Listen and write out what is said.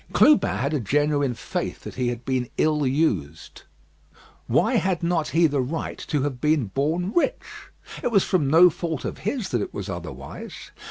Clubin had a genuine faith that he had been ill used. Why had not he the right to have been born rich? It was from no fault of his that it was otherwise.